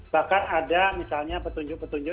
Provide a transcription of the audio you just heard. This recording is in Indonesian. bahkan ada misalnya petunjuk petunjuk